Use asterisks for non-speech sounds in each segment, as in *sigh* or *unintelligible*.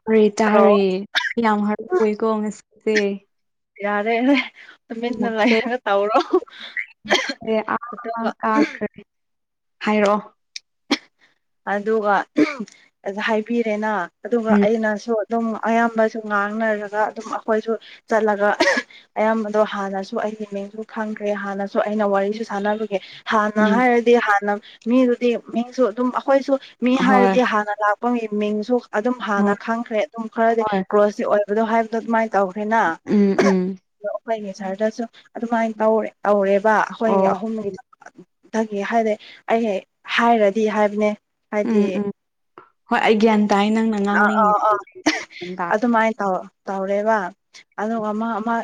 ꯇꯔꯦ ꯇ꯭ꯔꯣ ꯇꯥꯔꯦ ꯌꯥꯝ ꯍꯔꯥꯎ ꯍꯣꯏꯀꯣꯡꯉꯁꯤ ꯐ ꯌꯥꯔꯦꯅꯦ ꯇꯨꯃꯤꯟꯅ ꯁꯦ ꯂꯩꯔꯒ ꯇꯧꯔꯣ ꯁꯦ ꯑꯗꯨꯒ ꯍꯥꯏꯔꯑꯣ ꯑꯗꯨꯒ ꯍꯥꯏꯕꯤꯔꯦꯅ ꯑꯗꯨꯒ ꯎꯝ ꯑꯩꯅꯁꯨ ꯑꯗꯨꯝ ꯑꯌꯥꯝꯕꯁꯨ ꯉꯥꯡꯅꯔꯒ ꯑꯗꯨꯝ ꯑꯩꯈꯣꯏꯁꯨ ꯆꯠꯂꯒ ꯑꯌꯥꯝꯕꯗꯣ ꯍꯥꯟꯅꯁꯨ ꯑꯩꯒꯤ ꯃꯤꯡꯁꯨ ꯈꯪꯈ꯭ꯔꯦ ꯍꯥꯟꯅꯁꯨ ꯑꯩꯅ ꯋꯥꯔꯤꯁꯨ ꯁꯥꯟꯅꯕꯒꯤꯦ ꯍꯥꯟꯅ ꯎꯝ ꯍꯥꯏꯔꯗꯤ ꯍꯥꯟꯅ ꯃꯤꯗꯨꯗꯤ ꯃꯤꯁꯨ ꯑꯗꯨꯝ ꯑꯩꯈꯣꯏꯁꯨ ꯃꯤ ꯍꯣꯏ ꯍꯥꯏꯔꯗꯤ ꯍꯥꯟꯅ ꯂꯥꯛꯄ ꯃꯤ ꯃꯤꯡꯁꯨ ꯑꯗꯨꯝ ꯍꯣꯏ ꯍꯥꯟꯅ ꯈꯪꯈ꯭ꯔꯦ ꯑꯗꯨꯝ ꯈꯔꯗꯤ ꯍꯣꯏ ꯀ꯭ꯔꯣꯁꯇ ꯑꯣꯏ ꯑꯗꯣ ꯍꯥꯏꯕꯗꯣ ꯑꯗꯨꯃꯥꯏꯅ ꯇꯧꯈ꯭ꯔꯦꯅ ꯎꯝ ꯎꯝ ꯑꯣ ꯑꯩꯈꯣꯏꯒꯤ ꯁꯔꯗꯁꯨ ꯑꯗꯨꯃꯥꯏꯅ ꯇꯧ ꯇꯧꯔꯦꯕ ꯑꯩꯈꯣꯏꯒꯤ ꯑꯣ ꯑꯍꯨꯝꯒꯤꯗ ꯗꯒꯤ ꯍꯥꯏꯗꯤ ꯑꯩ ꯍꯥꯏꯔꯗꯤ ꯍꯥꯏꯕꯅꯦ ꯍꯥꯏꯗꯤ ꯎꯝ ꯎꯝ ꯍꯣꯏ ꯑꯩ ꯒ꯭ꯌꯥꯟ ꯇꯥꯏ ꯅꯪꯅ ꯑꯥ ꯉꯥꯡꯅꯤꯡꯉꯤ ꯑꯥ ꯇꯥꯎ ꯔꯦꯕ ꯑꯗꯨꯒ ꯑꯃ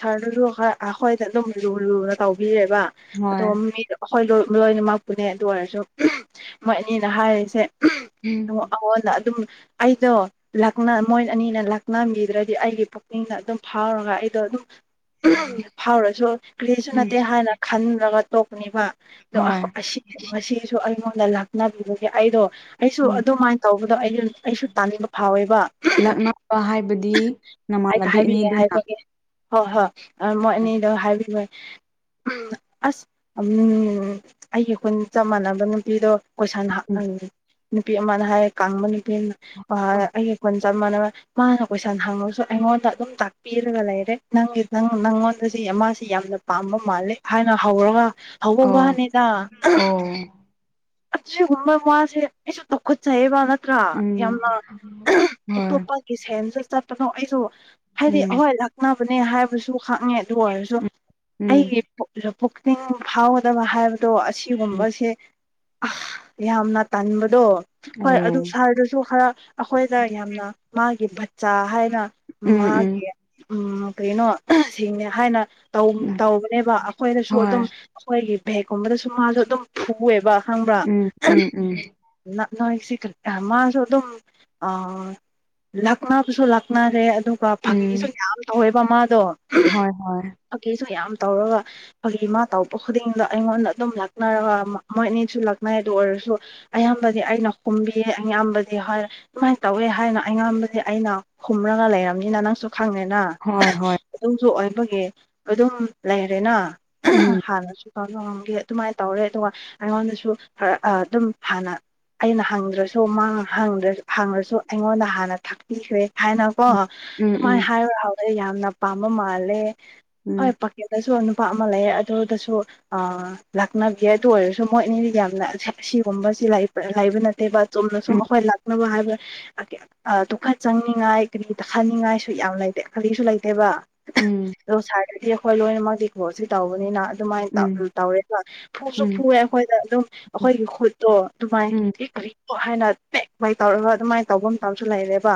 ꯁꯥꯔꯗꯁꯨ ꯑꯩꯈꯣꯏꯗ ꯑꯗꯨꯝ ꯂꯨ ꯂꯨꯅ ꯇꯧꯕꯤꯔꯦꯕ ꯍꯣꯏ ꯑꯗꫭ ꯃꯤ ꯑꯩꯈꯣꯏ ꯂꯣꯏꯅꯃꯛꯄꯨꯅꯦ ꯑꯗꯨ ꯑꯣꯏꯔꯁꯨ ꯃꯣꯏ ꯑꯅꯤꯅ ꯍꯥꯏꯔꯤꯁꯦ ꯎꯝ ꯑ ꯅ ꯑꯗꯨꯝ ꯑꯩꯗꯣ ꯂꯥꯛ ꯃꯣꯏ ꯑꯅꯤꯅ ꯂꯥꯛꯅꯕꯤꯗ꯭ꯔꯗꯤ ꯑꯩꯒꯤ ꯄꯨꯛꯅꯤꯡꯗ ꯑꯗꯨꯝ ꯐꯥꯎꯔꯒ ꯑꯩꯗꯣ ꯑꯗꯨꯝ ꯐꯥꯎꯔꯁꯨ ꯀꯔꯤꯁꯨ ꯎꯝ ꯅꯠꯇꯦ ꯍꯥꯏꯅ ꯈꯟꯂꯒ ꯇꯣꯛꯄꯅꯦꯕ ꯑ ꯍꯣꯏ ꯉꯁꯨ ꯑꯩꯉꯣꯟꯗ ꯂꯥꯛꯅꯕꯤꯕꯒꯤ ꯑꯩꯗꯣ ꯑꯩꯁꯨ ꯎꯝ ꯑꯗꯨꯃꯥꯏꯅ ꯇꯧꯕ ꯑꯗꯣ ꯑꯩꯅ ꯑꯩꯁꯨ ꯇꯥꯅꯤꯡꯕ ꯐꯥꯎꯋꯦꯕ ꯂꯛꯅꯕ ꯍꯥꯏꯕꯗꯤ ꯑꯩꯇ ꯅꯃꯥꯟꯅꯕꯤ ꯍꯥꯏꯕꯤꯒꯦ ꯑꯅꯤꯗꯨꯅ ꯍꯥꯏꯕꯒꯦ ꯍꯣꯏ ꯍꯣꯏ ꯃꯣꯏ ꯑꯅꯤꯗ ꯍꯥꯏꯕꯤ ꯑꯁ ꯎ ꯑꯩꯒꯤ ꯈꯨꯟ ꯆꯞ ꯃꯥꯟꯅꯕ ꯅꯨꯄꯤꯗꯣ ꯄꯁꯥꯅꯦ ꯎꯝ ꯅꯨꯄꯤ ꯑꯃꯅ ꯍꯥꯏꯔꯦ ꯀꯥꯡꯕ ꯅꯨꯄꯤ ꯑꯣ ꯑꯃ ꯑꯩ ꯆꯞ ꯃꯥꯟꯅꯕ ꯃꯥꯅ ꯀꯣꯏꯁꯟ ꯍꯪꯉꯁꯨ ꯑꯩꯉꯣꯟꯗ ꯑꯗꯨꯝ ꯇꯥꯛꯄꯤꯔꯒ ꯂꯩꯔꯦ ꯅꯪꯒꯤ ꯅꯪꯉꯣꯟꯗ ꯃꯥꯁꯤ ꯌꯥꯝꯅ ꯄꯥꯝꯕ ꯃꯥꯜꯂꯦ ꯍꯥꯏꯅ ꯍꯧꯔꯒ ꯍ ꯋꯥꯅꯦꯒ ꯑꯣ ꯑꯁꯨ ꯍꯨꯝꯃ ꯃꯥꯁꯦꯁꯨ ꯗꯨ ꯈꯨꯗ ꯆꯌꯦꯕ ꯅꯠꯇ꯭ꯔꯥ ꯎꯝ ꯌꯥꯝꯅ ꯍꯣꯏ ꯑꯇꯣꯞꯄꯒꯤ ꯁꯦꯟꯗ ꯆꯠꯄꯅꯣ ꯑꯩꯁꯨ ꯍꯥꯏꯗꯤ ꯎꯝ ꯑꯩꯍꯣꯏ ꯂꯛꯅꯕꯅꯦ ꯍꯥꯏꯕꯁꯨ ꯈꯪꯉꯦ ꯑꯗꯨ ꯑꯣꯏꯔꯁꯨ ꯎꯝ ꯎꯝ ꯑꯩꯒꯤ ꯄꯕ ꯄꯨꯛꯅꯤꯡ ꯐꯥꯎꯒꯗꯕ ꯍꯥꯏꯕꯗꯣ ꯎꯝ ꯑꯁꯤꯒꯨꯝꯕꯁꯦ ꯑ ꯌꯥꯝꯅ ꯇꯟꯥꯟꯕꯗꯣ ꯍꯣꯏ ꯑꯗꯨ ꯑꯣ ꯁꯥꯍꯔꯗꯨꯁꯨ ꯈꯔ ꯑꯩꯈꯣꯏꯗ ꯌꯥꯝꯅ ꯃꯥꯒꯤ ꯕꯆꯥ ꯍꯥꯏꯅ ꯎꯝ ꯎꯝ ꯃꯥꯒꯤ ꯎꯝ ꯀꯩꯅꯣ ꯁꯤꯅꯦ ꯍꯥꯏꯅ ꯇꯧꯕꯅꯦꯕ ꯑꯩꯈꯣꯏꯗꯁꯨ ꯍꯣꯏ ꯑꯗꯨꯝ ꯑꯩꯈꯣꯏꯒꯤ ꯚꯦꯛꯀꯨꯝꯕꯗꯁꯨ ꯃꯥꯁꯨ ꯑꯗꯨꯝ ꯐꯨꯑꯦꯕ ꯈꯪꯕ꯭ꯔꯥ ꯎꯝ ꯎꯝ ꯎꯝ ꯅꯣꯏꯁꯤ ꯃꯥꯁꯨ ꯑꯗꯨꯝ ꯂꯥꯛꯅꯕꯁꯨ ꯂꯥꯛꯅꯔꯦ ꯑꯗꯨꯒ ꯎꯝ ꯐꯥꯒꯤꯁꯨ ꯌꯥꯝ ꯇꯧꯋꯦꯕ ꯃꯥꯗꯣ ꯍꯣꯏ ꯍꯣꯏ ꯐꯥꯒꯤꯁꯨ ꯌꯥꯝ ꯇꯧꯔꯒ ꯑꯩꯈꯣꯏꯒꯤ ꯃꯥ ꯇꯧꯔꯛꯄ ꯈꯨꯗꯤꯡꯗ ꯑꯩꯉꯣꯟꯗ ꯑꯗꯨꯝ ꯂꯥꯛꯅꯔꯒ ꯃꯣꯏ ꯑꯅꯤꯁꯨ ꯂꯥꯛꯅꯏꯗ ꯑꯣꯏꯔꯁꯨ ꯑ ꯑꯌꯥꯝꯕꯗꯤ ꯑꯩꯅ ꯀꯨꯝꯕꯤꯌꯦ ꯑꯌꯥꯝꯕꯗꯤ ꯍ ꯀꯃꯥꯏꯅ ꯇꯧꯋꯦ ꯍꯥꯏꯅꯣ ꯑꯉꯕꯗꯤ ꯑꯩꯅ ꯈꯨꯝꯔꯒ ꯂꯩꯔꯕꯝꯅꯤꯅ ꯅꯪꯁꯨ ꯈꯪꯉꯦꯅ ꯍꯣꯏ ꯍꯣꯏ ꯑꯗꯨꯝꯁꯨ ꯑꯣꯏꯕꯒꯤ ꯑꯗꯨꯝ ꯂꯩꯔꯦꯅ ꯎꯝ ꯍꯥꯟ ꯝꯒꯦ ꯑꯗꯨꯃꯥꯏꯅ ꯇꯧꯔꯦ ꯑꯗꯨꯒ ꯑꯩꯉꯣꯟꯗꯁꯨ ꯈꯔ ꯑꯗꯨꯝ ꯍꯥꯟꯅ ꯑꯩꯅ ꯍꯪꯗ꯭ꯔꯁꯨ ꯍꯪꯉꯁꯨ ꯑꯩꯉꯣꯟꯗ ꯍꯥꯟꯅ ꯊꯥꯛꯄꯤꯈ꯭ꯔꯦ ꯍꯥꯏꯅꯀꯣ ꯎꯝ ꯑꯗꯨꯨꯃꯥꯏꯅ ꯎꯝ ꯍꯥꯏꯔ ꯍꯥꯏꯥꯎꯗ ꯌꯥꯝꯅ ꯄꯥꯝꯕ ꯃꯥꯜꯂꯦ ꯎꯝ ꯍ ꯎꯝ ꯄꯈꯦꯗꯁꯨꯅ ꯄ ꯑꯃ ꯂꯩꯌꯦ ꯑꯗꯨꯗꯁꯨ ꯂꯥꯛꯅꯈꯤ ꯑꯗꯨ ꯑꯣꯏꯔꯁꯨ ꯃꯣꯏ ꯑꯅꯤꯗꯤ ꯌꯥꯝꯅ ꯑꯁꯤꯒꯨꯝꯕꯁꯤ ꯂꯥꯏ ꯂꯩꯕ ꯅꯠꯇꯦꯕ ꯆꯨꯝꯅ ꯁꯨꯝ ꯎꯝ ꯑꯩꯈꯣꯏ ꯂꯥꯛꯅꯕ ꯍꯥꯏꯕ ꯇꯨꯈꯠ ꯆꯪꯅꯤꯡꯉꯥꯏ ꯀꯔꯤ ꯇꯛ ꯈꯟꯅꯤꯡꯉꯥꯏꯁꯨ ꯌꯥꯝ ꯂꯩꯇꯦ ꯀꯔꯤꯁꯨ ꯂꯩꯇꯦꯕ ꯎꯝ ꯆꯥꯏꯗꯤ ꯑ ꯈꯣꯏ ꯂꯣꯏꯅ ꯄꯣꯠ ꯁꯤ ꯇꯧꯕꯅꯤꯅ ꯑꯗꯨꯃꯥꯏꯅ ꯎꯝ ꯇꯧꯔꯦꯀ ꯐꯨꯁꯨ ꯎꯝ ꯐꯨꯑꯦ ꯑꯩꯈꯣꯏꯗ ꯑꯗꯨꯝ ꯑꯩꯈꯣꯏꯒꯤ ꯈꯨꯠꯇꯣ ꯑꯗꯨꯃꯥꯏ ꯀꯔꯤꯣ ꯍꯥꯏꯅ ꯄꯦꯛ ꯥꯏ ꯇꯧꯔꯒ ꯑꯗꯨꯃꯥꯏꯅ ꯇꯧꯕ ꯑꯃ ꯇꯧ ꯁꯨ ꯂꯩꯔꯦꯕ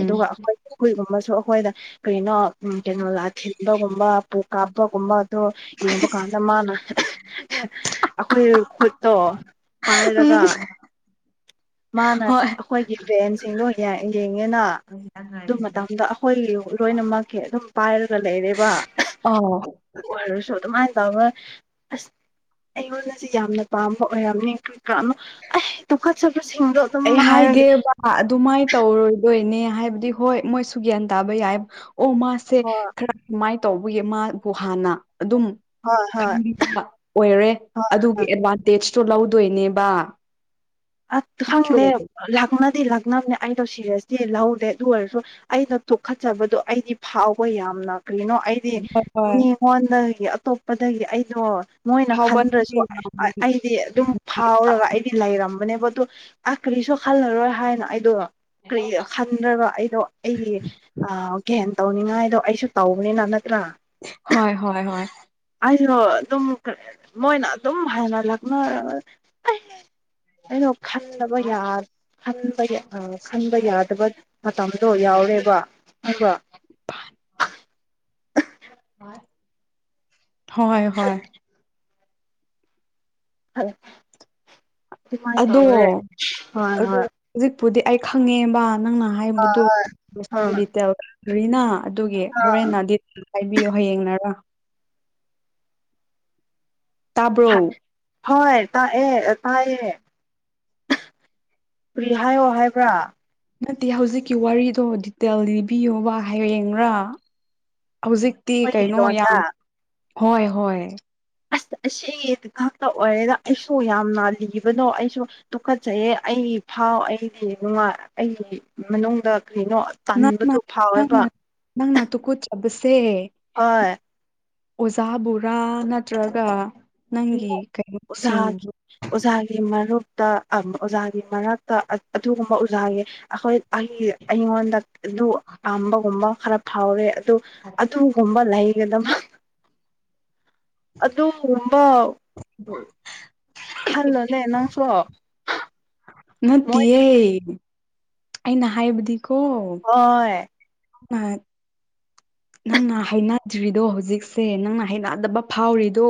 ꯑꯗꯨꯒ ꯑꯩꯈꯣꯏ ꯆꯈꯨꯏꯒꯨꯝꯕꯁꯨ ꯑꯩꯈꯣꯏꯗ ꯀꯩꯅꯣ ꯀꯩꯅꯣ ꯂꯥ ꯊꯤꯟꯕꯒꯨꯝꯕ ꯄꯨ ꯀꯥꯞꯄꯒꯨꯝꯕ ꯑꯗꯨꯣ ꯌꯦꯡꯕ ꯀꯥꯟꯗ ꯃꯥꯅ ꯑꯩꯈꯣꯏ ꯈꯨꯠꯇꯣ ꯄꯥꯏꯔꯒ *unintelligible* ꯃꯥꯅ ꯍꯣꯏ ꯑꯩꯈꯣꯏꯒꯤ ꯚꯦꯟꯁꯤꯡꯗꯣ ꯌꯦꯡꯉꯤꯅ ꯑꯗꯨ ꯃꯇꯝꯗ ꯑꯩꯈꯣꯏ ꯂꯣꯏꯅꯃꯛꯀꯤ ꯑꯗꯨꯝ ꯄꯥꯏꯔꯒ ꯂꯩꯔꯦꯕ ꯑꯧ ꯁ ꯑꯗꯨ ꯃꯥꯥꯏ ꯐ꯭ꯂꯔ ꯑꯁ ꯑꯩꯉꯣꯟ ꯑꯁꯤ ꯌꯥꯝꯅ ꯄꯥꯝꯕ ꯑꯣꯏꯔꯝꯃꯤ ꯀ ꯑꯍꯦ ꯑꯩ ꯍꯥꯏꯒꯦꯕ ꯑꯗꯨꯃꯥꯏꯅ ꯇꯧꯔꯣꯏꯗꯣꯏꯅꯦ ꯍꯥꯏꯕꯗꯤ ꯍꯣꯏ ꯃꯣꯏꯁꯨ ꯒ꯭ꯌꯥꯟ ꯇꯥꯕ ꯌꯥꯏꯕ ꯑꯣ ꯃꯥꯁꯦ ꯍꯣꯏ ꯈꯔ ꯇꯧꯕꯌꯦ ꯃꯥꯕꯨ ꯍꯥꯟꯅ ꯑꯗꯨꯝ ꯍꯣꯏ ꯍꯣꯏ ꯈꯟꯕꯤꯕ ꯑꯣꯏꯔꯦ ꯍꯣꯏ ꯑꯗꯨꯒꯤ ꯍꯣꯏ ꯑꯦꯗꯚꯥꯟꯇꯦꯖ ꯏꯁ ꯂꯧꯗꯣꯏꯅꯦꯕ ꯑ ꯁꯪꯅꯦ ꯅꯠꯇ꯭ꯔꯣ ꯂꯅꯥ ꯗꯤ ꯂꯛꯅꯕꯝꯅꯦ ꯑꯩ ꯂꯧ ꯁꯤꯔꯁꯤꯗꯤ ꯂꯧꯗꯦ ꯑꯗꯨ ꯑꯣꯏꯔꯁꯨ ꯑꯩꯅ ꯇꯣꯛꯈꯠꯆꯕꯗꯣ ꯑꯩꯗꯤ ꯐꯥꯎꯕ ꯌꯥꯝꯅ ꯀꯩꯅꯣ ꯑꯩꯗꯤ ꯍꯣꯏ ꯍꯣꯏ ꯃꯤꯉꯣꯟꯗꯒꯤ ꯑꯇꯣꯞꯄꯗꯒꯤ ꯑꯩꯗꯣ ꯃꯣꯏꯅ ꯐꯥꯎꯕ ꯅꯪꯗꯤ ꯈꯟꯗ꯭ꯔꯁꯨ ꯌꯥꯝ ꯑꯩꯗꯤ ꯑꯗꯨꯝ ꯐꯥꯎꯔꯒ ꯑꯩꯗꯤ ꯂꯩꯔꯝꯕꯅꯦ ꯑ ꯀꯔꯤꯁꯨ ꯈꯜꯂꯔꯣꯏ ꯍꯥꯏꯅ ꯑꯩꯗꯣ ꯀꯔꯤ ꯈꯟꯗ꯭ꯔꯒ ꯑꯩꯗꯣ ꯑꯩꯒꯤ ꯒ ꯇꯧꯅꯤꯡꯉꯥꯏꯗꯣ ꯑꯩꯁꯨ ꯇꯧꯕꯅꯤꯅꯛ ꯍꯣꯏ ꯍꯣꯏ ꯍꯣꯏ ꯑꯩꯁꯨ ꯑꯗꯨꯝ ꯃꯣꯏꯅ ꯑꯗꯨꯝ ꯍꯥꯟꯅ ꯂꯥꯛꯅꯔ ꯑꯩꯗꯣ ꯈꯟꯗꯕ ꯈꯟꯕ ꯑ ꯈꯟꯕ ꯌꯥꯗꯕ ꯃꯇꯝꯗꯣ ꯌꯥꯎꯔꯦꯕ ꯑꯗꯨꯒ ꯍꯣꯏ ꯍꯣꯏ ꯑꯗꯨꯃꯥꯏ ꯑꯗꯣ ꯇꯧꯔꯦ ꯍꯣꯏ ꯍꯣꯏ ꯄꯨꯗꯤ ꯑꯩ ꯈꯪꯉꯦꯕ ꯅꯪꯅ ꯍꯣꯏ ꯍꯥꯏꯕꯗꯨꯇꯦꯜꯗꯔꯤꯅ ꯑꯗꯨꯒꯤ ꯍꯣꯔꯦꯟ ꯗꯤ ꯍꯥꯏꯕꯤꯌꯣ ꯍꯌꯦꯡꯅꯔ ꯇꯥꯕ꯭ꯔꯣ ꯍꯣꯏ ꯇꯥꯏꯌꯦ ꯇꯥꯏꯌꯦ ꯀꯥꯔꯤ ꯍꯥꯏꯌꯣ ꯍꯥꯏꯕ꯭ꯔꯥ ꯅꯠꯇꯦ ꯍꯧꯖꯤꯛꯀꯤ ꯋꯥꯔꯤꯗꯣ ꯗꯤꯇꯦꯜ ꯂꯤꯕꯤꯌꯣꯕ ꯍꯌꯦꯡꯔꯥ ꯍꯧꯖꯤꯛꯇꯤ ꯑꯩꯈꯣꯏꯒꯤ ꯀꯩꯅꯣ ꯂꯣꯟꯗ ꯌꯥꯝ ꯍꯣꯏ ꯍꯣꯏ ꯑꯁ ꯑꯁꯤ ꯉꯥꯛꯇ ꯑꯣꯏꯔꯦꯗ ꯑꯩꯁꯨ ꯌꯥꯝꯅ ꯂꯤꯕꯅꯣ ꯑꯩꯁꯨ ꯇꯨꯈꯠꯆꯩꯑ ꯑꯩ ꯑꯩꯒꯤ ꯐꯥꯎ ꯑꯩꯗꯤ ꯅꯨꯡꯉꯥꯏ ꯑꯩꯒꯤ ꯃꯅꯨꯡꯗ ꯀꯔꯤꯅꯣ ꯇꯟꯕꯗꯣ ꯅꯪ ꯐꯥꯎꯋꯦꯕ ꯅꯪ ꯅꯪ ꯇꯨꯀꯠꯆꯥꯕꯁꯦ ꯁꯦ ꯍꯣꯏ ꯑꯣꯖꯥ ꯕꯣꯔꯥ ꯅꯠꯇ꯭ꯔꯒ *unintelligible* ꯅꯪꯒꯤ ꯀꯩꯅꯣꯁꯤꯡꯕꯨ ꯑꯣꯖꯥꯒꯤ ꯃꯔꯛꯇ ꯑꯗꯨꯒꯨꯝꯕ ꯑꯣꯖꯥꯒꯤ ꯑꯩꯈꯣꯏ ꯑꯩꯉꯣꯟꯗ ꯑꯗꯨ ꯄꯥꯝꯕꯒꯨꯝꯕ ꯈꯔ ꯐꯥꯎꯔꯦ ꯑꯗꯨ ꯑꯗꯨ ꯂꯩꯒꯗꯃ ꯄꯥꯎ ꯈꯜꯂꯣꯅꯦ ꯅꯪꯁꯨ ꯃꯣꯏꯅ ꯅꯠꯇꯤꯌꯦ ꯑꯩꯅ ꯍꯥꯏꯕꯗꯤ ꯀꯣ ꯍꯣꯏ ꯑ ꯅꯪꯅ ꯍꯩꯅꯗ꯭ꯔꯤꯗꯣ ꯍꯧꯖꯤꯛꯁꯦ ꯅꯪꯅ ꯍꯩꯅꯗꯕ ꯐꯥꯎꯔꯤꯗꯣ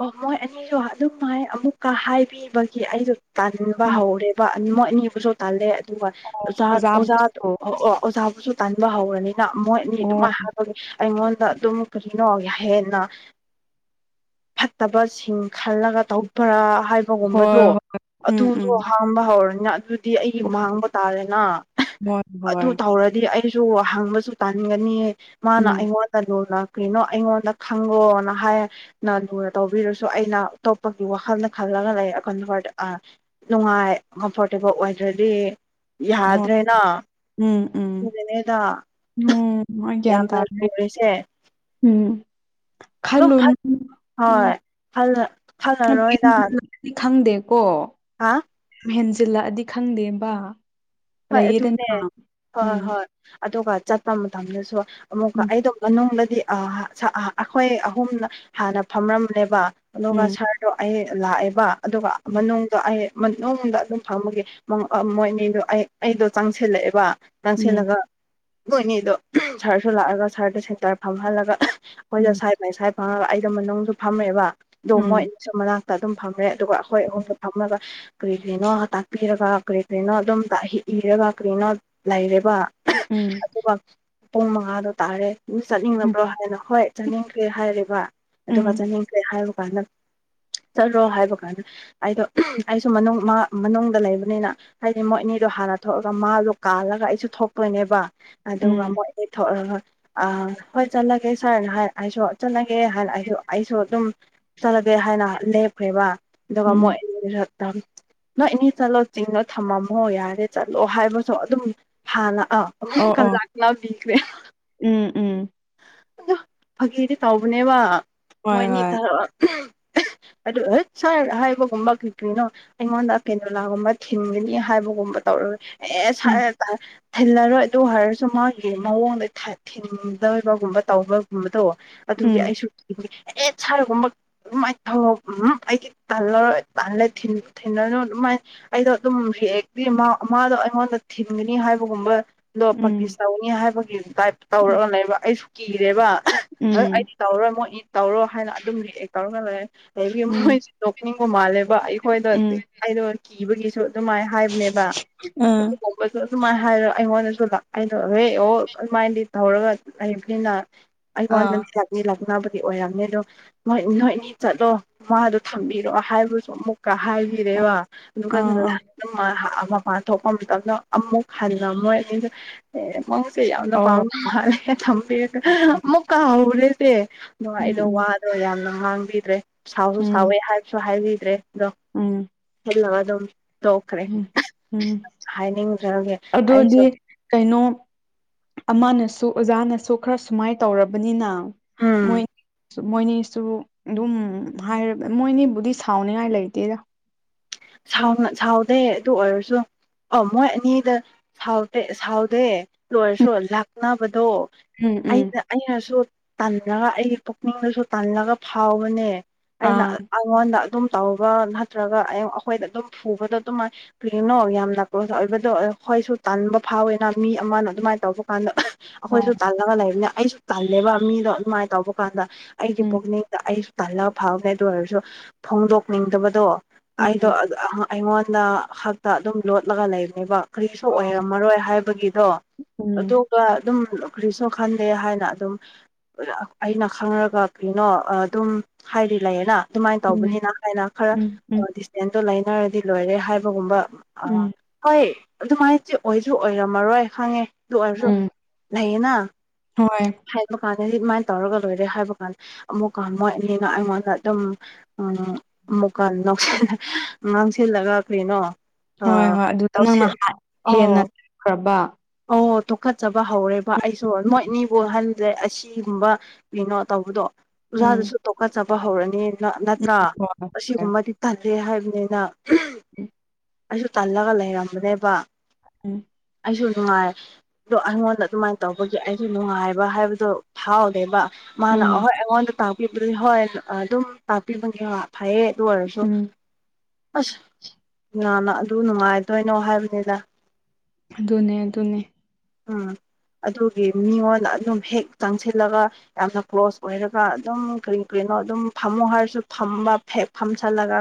ꯑꯣ ꯃꯣꯏ ꯑꯅꯤꯁꯨ ꯑꯗꯨꯝ ꯍꯥꯏꯥꯏ ꯑꯃꯨꯛꯀ ꯍꯥꯏꯕꯤꯕꯒꯤ ꯑꯩꯁꯨ ꯇꯟꯕ ꯎꯝ ꯍꯧꯔꯦꯕ ꯃꯣꯏ ꯑꯅꯤꯕꯨꯁꯨ ꯇꯥꯜꯂꯦ ꯑꯣ ꯑꯗꯨꯒꯖꯥ ꯑꯣꯖꯥ ꯑꯣꯖꯥꯕꯨꯁꯨ ꯑꯣꯖꯥꯕꯨꯁꯨ ꯇꯥꯟꯕ ꯍꯧꯔꯅꯤ ꯃꯣꯏꯑꯅꯤ ꯑꯣ ꯑꯗꯨꯃꯥꯏꯅ ꯍꯥꯏꯕꯒꯤ ꯑꯩꯉꯣꯟꯗ ꯑꯗꯨꯝ ꯀꯔꯤꯅꯣ ꯍꯦꯟꯅ ꯐꯠꯇꯕꯁꯤꯡ ꯈꯜꯂꯒ ꯇꯧꯕ꯭ꯔꯥ ꯍꯥꯏꯕꯒꯨꯝꯕꯗꯣ ꯍꯣꯏ ꯍꯣꯏ ꯎꯝ ꯑꯗꯨꯗꯣ ꯎꯝ ꯍꯥꯡꯕ ꯍꯧꯔꯅꯤ ꯑꯗꯨ ꯗꯤ ꯑꯩꯒꯤ ꯃꯥꯡꯕ ꯇꯥꯔꯦꯅ ꯍꯣꯏ ꯑꯗꯨ ꯍꯣꯏ ꯇꯧꯔꯗꯤ ꯑꯩ ꯑꯩꯁꯨ ꯍꯪꯕꯁꯨ ꯇꯥꯟꯟꯒꯅꯤ ꯃꯥꯅ ꯎꯝ ꯑꯩꯉꯣꯟꯗ ꯂꯣꯟꯂ ꯀꯩꯅꯣ ꯑꯩꯉꯣꯟꯗ ꯈꯪꯉꯣꯅ ꯍꯥꯏ ꯂꯨꯅ ꯇꯧꯕꯤꯔꯁꯨ ꯑꯩꯅ ꯑꯇꯣꯞꯄꯒꯤ ꯋꯥꯈꯜꯗ ꯈꯜꯂꯒ ꯂꯩ *unintelligible* ꯅꯨꯡꯉꯥꯏ ꯀꯝꯐꯣꯔꯇꯦꯕꯜ ꯑꯣꯏꯗ꯭ꯔꯗꯤ ꯍꯣꯏ ꯌꯥꯗ꯭ꯔꯦꯅ ꯎꯝ ꯎꯝ ꯑꯗꯨꯅꯅꯦꯗ *unintelligible* ꯑꯩꯒꯌꯥꯟ ꯌꯥꯝꯅ ꯇꯥꯗꯔ꯭ꯦ ꯂꯨꯔꯤꯁꯦ ꯎꯝ ꯑꯗꯨꯝ ꯈꯜꯂꯨ ꯐꯠ ꯅꯪ ꯍꯣꯏ ꯎꯝ ꯐꯜ *unintelligible* ꯈꯪꯗꯦꯀꯣ ꯍꯥ *unintelligible* ꯆꯤꯜꯂꯛꯑꯗꯤ ꯈꯪꯗꯦꯕ ꯍꯣꯏ ꯑꯗꯨꯅꯦ ꯂꯩꯌꯦꯗꯅ ꯍꯣꯏ ꯎꯝ ꯍꯣꯏ ꯑꯗꯨꯒ ꯆꯠꯄ ꯃꯇꯝꯗꯁꯨ ꯑꯃꯨꯛꯀ ꯎꯝ ꯑꯩꯗꯣ ꯃꯅꯨꯡꯗꯗꯤ ꯑꯩꯈꯣꯏ ꯑꯍꯨꯝ ꯍꯥꯟꯅ ꯐꯝꯔꯝꯕꯥꯅꯦꯕ ꯑꯗꯨꯒ ꯎꯝ ꯁꯥꯔꯗꯣ ꯑꯩ ꯂꯥꯛꯑꯦꯕ ꯑꯗꯨꯒ ꯃꯅꯨꯡꯗꯣ ꯑꯩ ꯃꯅꯨꯡꯗ ꯑꯗꯨꯝ ꯐꯪꯕꯒꯤ ꯃꯣꯏꯅꯤꯗꯣ ꯑꯩ ꯑꯩꯗꯣ ꯆꯪꯁꯤꯜꯂꯛꯑꯦꯕ ꯎꯝ ꯆꯪꯁꯤꯜꯂꯒ ꯃꯣꯏꯅꯤꯗꯣ ꯁꯔꯁꯨ ꯂꯥꯛꯑꯒ ꯁꯥꯔꯗ ꯁꯦꯟꯇꯔ ꯐꯝꯍꯜꯂꯒ ꯑꯩꯈꯣꯏꯗ ꯎꯝ ꯁꯥꯏ ꯃꯁꯥꯏ ꯑꯥ ꯑꯩꯗ ꯃꯅꯨꯡꯗ ꯐꯝꯃꯦꯕ ꯑꯗꯣ ꯃꯣꯏ ꯎꯝ ꯑꯅꯤꯁꯨ ꯃꯅꯥꯛꯇ ꯑꯗꯨꯝ ꯐꯝꯃꯦ ꯑꯗꯨꯒ ꯑꯩꯈꯣꯏ ꯑꯍꯨꯝꯗ ꯐꯝꯂꯒ ꯀꯔꯤ ꯀꯔꯤꯅꯣ ꯇꯥꯛꯄꯤꯔꯒ ꯀꯔꯤ ꯀꯔꯤꯅꯣ ꯑꯗꯨꯝ ꯇꯥꯛꯏ ꯏꯔꯒꯥ ꯀꯔꯤꯅꯣ ꯂꯩꯔꯦꯕꯥ ꯎꯝ ꯄꯨꯡ ꯃꯉꯥꯗꯣ ꯇꯥꯔꯦ ꯑꯗꯨꯝ ꯆꯠꯅꯤꯡꯂꯕ꯭ꯔꯣ ꯍꯥꯏꯅ ꯍꯣꯏ ꯆꯠꯅꯤꯡꯈ꯭ꯔꯦ ꯍꯥꯏꯔꯦꯕ ꯎꯝ ꯑꯗꯨꯒ ꯎꯝ ꯆꯠꯅꯤꯡꯈ꯭ꯔꯦ ꯍꯥꯏꯕ ꯀꯥꯟꯗ ꯆꯠꯂꯣ ꯍꯥꯏꯕ ꯀꯥꯟꯗ ꯑꯩꯗꯣ ꯑꯩꯁꯨ ꯃꯅꯨꯡ ꯃꯥ ꯃꯅꯨꯡꯗ ꯂꯩꯕꯅꯤꯅ ꯍꯥꯏꯗꯤ ꯃꯣꯏ ꯑꯅꯤꯗꯣ ꯍꯥꯟꯅ ꯊꯣꯛꯑꯒ ꯃꯥꯗꯣ ꯀꯥꯜꯂꯒ ꯑꯩꯁꯨ ꯊꯣꯛꯇꯣꯏꯅꯦꯕ ꯑꯗꯨꯒ ꯎꯝ ꯃꯣꯏ ꯊꯣꯛꯑꯒ ꯑ ꯍꯣꯏ ꯆꯠꯂꯒꯦ ꯁꯥꯔ ꯑꯩꯁꯨ ꯆꯠꯂꯒꯦ ꯍꯥꯏꯅ ꯑꯩꯁꯨ ꯑꯩꯁꯨ ꯑꯗꯨꯝ ꯆꯠꯂꯒꯦ ꯍꯥꯏꯅ ꯂꯦꯞꯈ꯭ꯔꯦꯕ ꯑꯗꯨꯒ ꯎꯝ ꯃꯣꯏ ꯅꯣꯏ ꯑꯅꯤ ꯆꯠꯂꯣ ꯆꯤꯡꯉꯣ ꯊꯝꯃꯝꯃꯣ ꯌꯥꯔꯦ ꯆꯠꯂꯣ ꯍꯥꯏꯕꯁꯨ ꯑꯗꯨꯝ ꯍꯥꯟꯅ ꯑ ꯑꯣ ꯑꯃꯨꯛꯀꯥ ꯑꯣ *unintelligible* ꯄꯤꯈ꯭ꯔꯦ ꯎꯝ ꯎꯝ ꯑꯣ ꯐꯥꯒꯤꯗꯤ ꯇꯧꯕꯅꯦꯕ ꯍꯣꯏ ꯃꯣꯏꯅꯤ ꯍꯣꯏ *inaudible* ꯑꯗꯨ ꯍ ꯁꯥꯔ ꯍꯥꯏꯕꯒꯨꯝꯕ ꯀꯔꯤ ꯀꯔꯤꯅꯣ ꯑꯩꯉꯣꯟꯗ ꯀꯦꯟꯗꯣꯂꯥꯒꯨꯝꯕ ꯊꯤꯟꯒꯅꯤ ꯍꯥꯏꯕꯒꯨꯝꯕ ꯇꯧꯔꯒ ꯑꯦ ꯁꯏ ꯎꯝ ꯇꯔꯦ ꯊꯤꯜꯂꯔꯣꯏ ꯑꯗꯨ ꯍꯥꯏꯔꯁꯨ ꯃꯥꯒꯤ ꯃꯑꯣꯡꯗ ꯊ ꯊꯤꯟ ꯗꯕꯒꯨꯝꯕ ꯇꯧꯕꯒꯨꯝꯕ ꯗꯣ ꯑꯗꯨꯒꯤ ꯎꯝ ꯑꯩꯁꯨ ꯑꯦ ꯁꯥꯔꯒꯨꯝꯕ ꯑꯗꯨꯝꯥꯏ ꯊꯧ ꯎ ꯑꯩꯗꯤ ꯇꯥꯜꯂꯔꯣꯏ ꯇꯥꯜꯂꯦ ꯊꯤꯂꯅꯨ ꯑꯗꯨ ꯑꯩꯗꯣ ꯑꯗꯨꯝ *unintelligible* ꯃꯥꯗꯣ ꯑꯩꯉꯣꯟꯗ ꯊꯤꯟꯒꯅꯤ ꯍꯥꯏꯕꯒꯨꯝꯕ ꯑꯗꯣ ꯎꯝ ꯄꯥꯛꯇꯤꯁ ꯇꯧꯅꯤ ꯍꯥꯏꯕꯒꯤ ꯇꯥꯏꯞ ꯇꯧꯔꯒ ꯂꯩꯕ ꯑꯩꯁꯨ ꯀꯤꯔꯦꯕ ꯎꯝ ꯑꯩꯗꯤ ꯇꯧꯔꯣꯏ ꯃꯣꯏ ꯇꯧꯔꯣ ꯍꯥꯏꯅ ꯑꯗꯨꯝ ꯂꯑꯦ ꯇꯧꯔꯒꯂꯦ ꯑꯗꯒꯤ ꯎꯝ ꯃꯣꯏꯁꯨ ꯅꯣꯛꯅꯤꯡꯕ ꯃꯥꯜꯂꯦꯕ ꯑꯩꯈꯣꯏꯗ ꯎꯝ ꯑꯩꯗꯣ ꯀꯤꯕꯒꯤꯁꯨ ꯑꯗꯨꯃꯥꯏꯅ ꯍꯥꯏꯕꯅꯦꯕ ꯎꯝ ꯑꯗꯨꯒꯨꯝꯕꯗꯣ ꯑꯗꯨꯃꯥꯏꯅ ꯍꯥꯏꯔꯣ ꯑꯩꯉꯣꯟꯗꯁꯨ *unintelligible* ꯑꯗꯨꯃꯥꯏꯗꯤ ꯇꯧꯔꯒ ꯂꯩꯕꯅꯤꯅ ꯑꯩ ꯑꯥ ꯉꯣꯟꯗꯗꯤ ꯂꯥꯛꯅꯤ ꯂꯥꯛꯅꯕꯗꯤ ꯑꯣꯏꯔꯝꯅꯤ ꯑꯗꯣ ꯅꯣꯏ ꯅꯣꯏꯅꯤ ꯆꯠꯂꯣ ꯃꯥꯗꯣ ꯊꯝꯕꯤꯔꯣ ꯍꯥꯏꯕꯁꯨ ꯑꯃꯨꯛ ꯀ ꯑꯥ ꯍꯥꯏꯕꯤꯔꯦꯕ ꯑꯗꯨꯀꯟꯗꯨꯗꯥ ꯑꯥ ꯑꯗꯨꯝ ꯃꯥ ꯃꯄꯥꯟ ꯊꯣꯛꯄ ꯃꯇꯝꯗ ꯑꯃꯨꯛ ꯍꯟꯅ ꯃꯣꯏ ꯑꯅꯤꯁꯦ ꯃꯧꯁꯦ ꯌꯥꯝꯅ ꯑꯣ ꯄꯥꯝꯅ ꯃꯥꯜꯂꯦ ꯊꯝꯕꯤꯔꯒ ꯑꯃꯨꯛꯀꯥ ꯍꯧꯔꯦꯁꯦ ꯅꯨꯡꯉꯥꯏꯅ ꯎꯝ ꯋꯥꯗꯣ ꯌꯥꯝꯅ ꯉꯥꯡꯕꯤꯗ꯭ꯔꯦ ꯁꯥꯎꯁꯨ ꯎꯝ ꯁꯥꯎꯋꯦ ꯍꯥꯏꯕꯁꯨ ꯍꯥꯏꯕꯤꯗ꯭ꯔꯦ ꯗꯣ ꯎꯝ ꯍꯜꯂꯒꯥ ꯑꯗꯨꯃ ꯇꯣꯛꯈ꯭ꯔꯦ ꯎꯝ ꯎꯝ ꯍꯥꯏꯅꯤꯡꯗꯔ꯭ꯒꯦ ꯑꯩꯁꯨ ꯑꯗꯨꯗꯤ ꯀꯩꯅꯣ ꯑꯃꯅꯁꯨ ꯑꯣꯖꯥꯅꯁꯨ ꯈꯔ ꯁꯨꯃꯥꯏ ꯇꯧꯔꯕꯅꯤꯅ ꯃꯣꯏ ꯎꯝ ꯃꯣꯏꯅꯤꯁꯨ ꯑꯗꯨꯝ ꯍꯥꯏ ꯃꯣꯏꯅꯤꯕꯨꯗꯤ ꯁꯥꯎꯅꯤꯉꯥꯏ ꯂꯩꯇꯦꯗ ꯁꯥꯎꯅ ꯁꯥꯎꯗꯦ ꯑꯗꯨ ꯑꯣꯏꯔꯁꯨ ꯑ ꯃꯣꯏ ꯑꯅꯤꯗ ꯁꯥꯎꯗꯦ ꯁꯥꯎꯗꯦ ꯂꯣꯏꯔꯁꯨ ꯂꯥꯛꯅꯕꯗ ꯗꯣ ꯎꯝ ꯎꯝ ꯑꯩꯅ ꯑꯩꯅꯁꯨ ꯇꯜꯂꯒ ꯑꯩꯒꯤ ꯄꯨꯛꯅꯤꯡꯗꯁꯨ ꯇꯜꯂꯒ ꯐꯥꯎꯕꯅꯦ ꯑꯩꯅ ꯑꯥ ꯑꯩꯉꯣꯟꯗ ꯑꯗꯨꯝ ꯇ ꯅꯠꯇ꯭ꯔꯒ ꯑ ꯑꯩꯈꯣꯏꯗ ꯑꯗꯨꯝ ꯐꯨꯕꯗꯣ ꯑꯗꯨꯃꯥꯏꯅ ꯀꯅꯣ ꯌꯥꯝ ꯅꯥꯀꯣꯁ ꯑꯣꯏꯕꯗꯣ ꯑꯩꯈꯣꯏꯁꯨ ꯇꯟꯥꯟꯕ ꯐꯥꯎꯋꯦꯅ ꯃꯤ ꯃꯥꯅ ꯑꯗꯨꯃꯥꯏꯅ ꯇꯧꯕ ꯀꯥꯟꯗ ꯑꯥ ꯑꯩꯈꯣꯏꯁꯨ ꯇꯜꯂꯒ ꯂꯩꯕꯅꯤ ꯑꯩꯁꯨ ꯇꯜꯂꯦꯕ ꯃꯤꯗꯣ ꯑꯗꯨꯃꯥꯏꯅ ꯇꯧꯕ ꯀꯥꯟꯗ ꯑꯩꯒꯤ ꯎꯝ ꯄꯨꯛꯅꯤꯡꯗ ꯑꯩ ꯇꯜꯂꯒ ꯐꯥꯎꯒꯦ ꯑꯗꯨ ꯑꯣꯏꯔꯁꯨ ꯐꯣꯡꯗꯣꯛꯅꯤꯡꯗꯕꯗꯣ ꯑꯩꯗꯣ ꯎꯝ ꯑꯩꯉꯣꯟꯗ ꯍꯛꯇ ꯑꯗꯨꯝ ꯂꯣꯠꯂꯒ ꯂꯩꯕꯅꯦꯕ ꯀꯔꯤꯁꯨ ꯑꯣꯏꯔꯝꯃꯔꯣꯏ ꯍꯥꯏꯕꯒꯤꯗꯣ ꯑꯗꯨꯒ ꯑꯗꯨꯝ ꯀꯔꯤꯁꯨ ꯈꯟꯗꯦ ꯍꯥꯏꯅ ꯑꯗꯨꯝ ꯑꯩꯅ ꯈꯪꯔꯒ ꯀꯩꯅꯣ ꯑꯗꯨꯝ ꯍꯥꯏꯗꯤ ꯂꯩꯌꯦꯅ ꯑꯗꯨꯃꯥꯏꯅ ꯎꯝ ꯇꯧꯕꯅꯤꯅ ꯍꯥꯏꯅ ꯈꯔ ꯎꯝ ꯎꯝ ꯗꯤꯁꯇꯦꯟꯁꯇꯣ ꯂꯩꯅꯔꯗꯤ ꯂꯣꯏꯔꯦ ꯍꯥꯏꯕꯒꯨꯝꯕ ꯑ ꯎꯝ ꯎꯝ ꯍꯣꯏ ꯑꯗꯨꯃꯥꯏꯅꯗꯤ ꯑꯣꯏꯁꯨ ꯑꯣꯏꯔꯝꯃꯔꯣꯏ ꯈꯪꯉꯦ ꯑꯗꯨ ꯑꯣꯏꯔꯁꯨ ꯎꯝ ꯍꯥꯏꯅ ꯍꯣꯏ ꯀꯥꯟꯗ ꯑꯗꯨꯃꯥꯏꯅ ꯇꯧꯔꯒ ꯂꯣꯏꯔꯦ ꯍꯥꯏꯕ ꯀꯥꯟꯗ ꯑꯃꯨꯛꯀ ꯃꯣꯏ ꯑꯅꯤꯅ ꯑꯩꯉꯣꯟꯗ ꯑꯗꯨꯝ ꯎ ꯑꯃꯨꯛꯀ ꯉꯥꯡꯁꯤꯜꯂꯒ ꯀꯔꯤꯩꯅꯣ ꯍꯣꯏ ꯍꯣꯏ ꯑꯗꯨꯗ ꯑꯁꯤ ꯅꯪꯅ ꯍꯦꯟꯅ ꯑꯣ ꯈ꯭ꯔꯕ ꯑꯣ ꯇꯣꯛꯈꯠꯆꯕ ꯍꯧꯔꯦꯕ ꯑꯩꯁꯨ ꯅꯣꯏꯅꯤꯕꯨꯍꯜꯂꯦ ꯑꯁꯤꯒꯨꯝꯕ ꯀꯩꯅꯣ ꯇꯧꯕꯗꯣ ꯎꯝ ꯑꯣꯖꯥꯗꯨꯁꯨ ꯇꯣꯛꯀꯠꯆꯕ ꯍꯧꯔꯅꯤ ꯅꯠꯇ꯭ꯔꯥ ꯍꯣꯏ ꯑꯁꯤꯒꯨꯝꯕꯗꯤ ꯁ ꯍꯥꯏꯕꯅꯤꯅ ꯎꯝ *unintelligible* *inaudible* ꯑꯩꯁꯨ ꯇꯜꯂꯒ ꯂꯩꯔꯝꯕꯅꯦꯕ ꯎꯝ *inaudible* ꯑꯩꯁꯨ ꯅꯨꯡꯉꯥꯏ ꯑꯗꯣ ꯑꯩꯉꯣꯟꯗ ꯑꯗꯨꯃꯥꯏꯅ ꯇꯧꯕꯒꯤ ꯑꯩꯁꯨ ꯅꯨꯡꯉꯥꯏꯕ ꯍꯥꯏꯕꯗꯣ ꯐꯥꯎꯗꯦꯕ ꯃꯥꯅ ꯎꯝ ꯑꯍꯣꯏ ꯑꯩꯉꯣꯟꯗ ꯇꯥꯛꯄꯤꯕꯗꯨꯗꯤ ꯍꯣꯏ ꯑꯗꯨꯝ ꯇꯥꯛꯄꯤꯕꯒꯤ ꯐꯌꯦ ꯔꯁꯨꯁ ꯎꯝ *inaudible* *unintelligible* ꯅ ꯑꯗꯨ ꯅꯨꯡꯉꯥꯏꯗꯣꯏꯅꯣ ꯍꯥꯏꯕꯅꯤꯗ ꯑꯗꯨꯅꯦ ꯑꯗꯨꯅꯦ ꯎꯝ ꯑꯗꯨꯒꯤ ꯃꯤꯉꯣꯟꯗ ꯑꯗꯨꯝ ꯍꯦꯛ ꯆꯪꯁꯤꯜꯂꯒ ꯌꯥꯝꯅ ꯀ꯭ꯂꯣꯁ ꯑꯣꯏꯔꯒ ꯑꯗꯨꯝ ꯀꯔꯤ ꯀꯔꯤ ꯩꯅ ꯑꯗꯨꯝ ꯐꯝꯃꯨ ꯍꯥꯏꯔꯁꯨ ꯐꯝꯕ ꯐ ꯐꯝꯁꯜꯂꯒ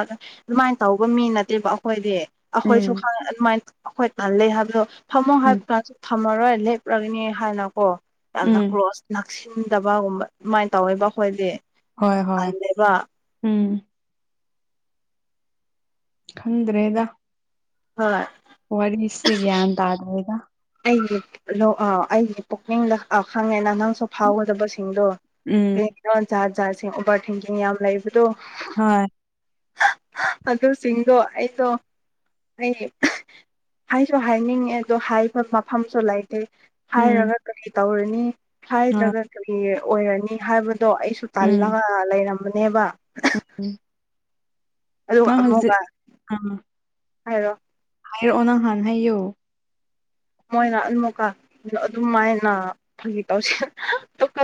ꯂꯥꯛ ꯑꯗꯨꯃꯥꯏꯅ ꯇꯧꯕ ꯃꯤ ꯅꯠꯇꯦꯕ ꯑꯩꯈꯣꯏꯗꯤ ꯑꯩꯈꯣꯏꯁꯨ ꯎꯝ ꯑꯗꯨꯃꯥꯏꯅ ꯑꯩꯈꯣꯏ ꯇꯥꯜ ꯂꯩ ꯍꯥꯏꯕꯗꯣ ꯊꯝꯃꯣ ꯎꯝ ꯍꯥꯏꯕ ꯀꯥꯟꯁꯨ ꯊꯝꯃꯔꯣꯏ ꯂꯦꯞꯄ꯭ꯔꯒꯅꯤ ꯍꯥꯏꯅꯀꯣ ꯌꯥꯝꯅ ꯎꯝ ꯀ꯭ꯂꯣꯁ ꯅꯛꯁꯤꯟꯗꯕꯒꯨꯝꯕ ꯑꯗꯨꯃꯥꯏꯅ ꯇꯧꯋꯦꯕ ꯑꯩꯈꯣꯏꯗꯤ ꯍꯣꯏ ꯍꯣꯏ ꯇꯜꯂꯦꯕ ꯎꯝ *inaudible* ꯈꯪꯗ꯭ꯔꯦꯗ ꯍꯣꯏ ꯋꯥꯔꯤꯔꯤꯁꯦ ꯭ꯌꯥꯟ ꯇꯥꯗ꯭ꯔꯦꯗ ꯑꯩꯁ ꯂ ꯑ ꯑꯩꯁꯦ ꯄꯨꯛꯅꯤꯡ ꯈꯪꯉꯦ ꯅꯪꯁꯨ ꯐꯥꯎꯒꯗꯕꯁꯤꯡꯗꯣ ꯎꯝ ꯀꯩꯒꯤꯅꯣ ꯖꯥ ꯖꯥꯁꯤꯡ ꯑꯣꯚꯔ ꯊꯤꯡꯀꯤꯡ ꯌꯥꯝ ꯂꯩꯕꯗꯣ ꯍꯣꯏ *inaudible* ꯑꯗꯨ ꯁꯤꯁꯤꯡꯗꯣ ꯑꯩꯗꯣ ꯑꯩ ꯍꯥꯏꯁꯨ ꯍꯥꯏꯅꯤꯡꯉꯦ ꯑꯗꯣ ꯍꯥꯏ ꯍꯣꯏ ꯃꯐꯝꯁꯨ ꯂꯩꯇꯦ ꯎꯝ ꯍꯥꯏꯔꯒ ꯀꯔꯤ ꯇꯧꯔꯅꯤ ꯍꯣꯏ ꯍꯥꯏꯗ꯭ꯔꯒ ꯀꯔꯤ ꯑꯣꯏꯔꯅꯤ ꯍꯥꯏꯕꯗꯣ ꯑꯩꯁꯨ ꯇꯜꯂꯒ ꯂꯩꯔꯝꯕꯅꯦꯕ ꯎꯝꯝ *unintelligible* *inaudible* ꯑꯗꯨꯒ ꯅꯅꯥ ꯍꯁꯦ ꯑꯃꯨꯛꯀ *inaudible* *unintelligible* ꯍꯥꯏꯔꯣ ꯐ ꯑꯣꯅꯥ ꯍꯥꯟ ꯍꯥꯏꯣ ꯃꯣꯏꯅ ꯑꯗꯨꯨꯛꯀ ꯑꯗꯨꯝꯃꯥꯏꯅ ꯐꯪꯉ ꯇꯧꯁ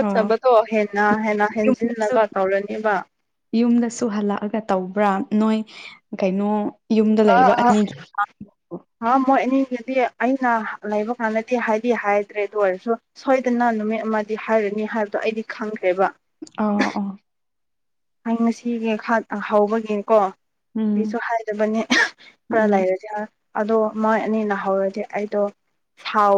ꯑꯣ ꯍꯦꯟꯅ ꯍꯦꯟꯅ ꯌꯨꯝꯗꯁꯨ ꯍꯦꯟꯖꯤꯜꯂꯒ ꯇꯧꯔꯅꯦꯕ ꯁꯨ ꯍꯜꯂꯛꯑꯒ ꯇꯧꯕ꯭ꯔꯥ ꯅꯣꯏ ꯀꯩꯅꯣ ꯌꯨꯝꯗ ꯂꯩꯕ ꯑ ꯑꯅꯤꯒꯤ ꯑ ꯃꯣꯏꯅꯤ *inaudible* ꯗꯤ ꯑꯩꯅ ꯂꯩꯕ ꯀꯥꯟꯗꯗꯤ ꯍꯥꯏꯗꯤ ꯍꯥꯏꯗ꯭ꯔꯦ ꯑꯗꯨ ꯑꯣꯏꯔꯁꯨ ꯁꯣꯏꯗꯅ ꯅꯨꯃꯤꯠ ꯑꯃꯗꯤ ꯍꯥꯏꯔ ꯍꯥꯏꯕꯗꯣ ꯑꯩꯗꯤ ꯈꯪꯗꯦ ꯑ ꯑ *unintelligible* *inaudible* ꯑꯩ ꯉꯁꯤꯒꯤ ꯍꯧꯕꯒꯤꯅꯦꯀꯣ ꯎꯝ ꯑꯩꯁꯨ ꯍꯥꯏꯔꯕꯅꯦ ꯈꯔ ꯎꯝ ꯂꯩꯥꯏꯔꯁꯦ ꯑꯗꯣ ꯃꯣꯏ ꯑꯅꯤꯅ ꯍꯧꯔꯗꯤ ꯑꯩꯗꯣ ꯥꯎ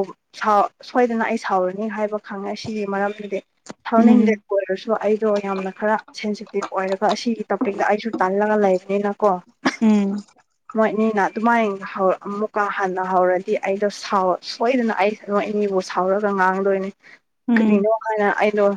ꯁꯣꯏꯗꯅ ꯑꯩ ꯁꯥꯎꯔꯅꯤ ꯍꯥꯏꯕ ꯈꯪꯉꯦ ꯁꯤꯒꯤ ꯃꯔꯝꯗꯤ ꯊꯥꯎꯅꯤꯡ ꯎꯝ ꯂꯩꯄ ꯑꯣꯏꯔꯁꯨ ꯑꯩꯗꯣ ꯌꯥꯝꯅ ꯈꯔ ꯤꯞ ꯑꯣꯏꯔꯒ ꯑꯁꯤꯒꯤ ꯇꯣꯄꯤꯛꯇ ꯑꯩꯁꯨ ꯇꯜꯂꯒ ꯂꯩꯕꯅꯤꯅꯀꯣ ꯎꯝ ꯃꯣꯏꯅꯤꯅ ꯑꯗꯨꯃꯥꯏꯅ ꯑꯃꯨꯛꯀ ꯍꯟꯅ ꯍꯧꯔꯗꯤ ꯑꯩꯗꯣ ꯁꯣꯏꯗꯅ ꯑꯩ ꯅꯣꯏꯅꯤꯕꯨ ꯁꯥꯎꯔꯒ ꯉꯥꯡꯗꯣꯏꯅꯦ ꯎꯝ ꯀꯔꯤꯅꯣ ꯍꯥꯏꯅ ꯑꯩꯗꯣ